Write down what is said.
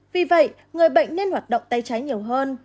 vì vậy người bệnh nên hoạt động tay trái nhiều hơn